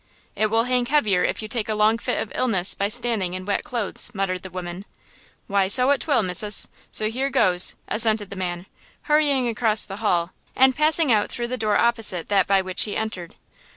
"It will hang heavier if you take a long fit of illness by standing in wet clothes," muttered the woman. "Why, so 'twill, missus! So here goes," assented the man, hurrying across the hall and passing out through the door opposite that by which he entered.